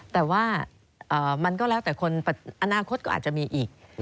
แต่ว่ามันก็แล้วแต่คนอนาคตก็อาจจะมีอีก